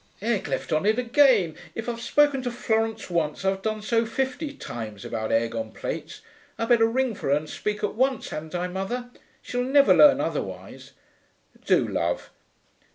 'Egg left on it again. If I've spoken to Florence once I've done so fifty times, about egg on plates. I'd better ring for her and speak at once, hadn't I, mother? She'll never learn otherwise.' 'Do, love.'